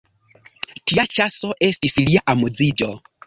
Tia ĉaso estis lia amuziĝo.